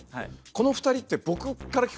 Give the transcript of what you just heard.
この２人って僕から聴くと。